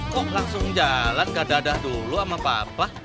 kok langsung jalan gak dadah dulu sama papa